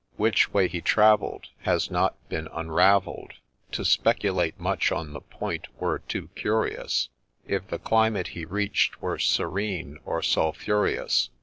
Which way he travell'd, Has not been unravell'd ; To speculate much on the point were too curious, If the climate he reach'd were serene 'or sulphureous.